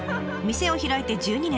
店を開いて１２年。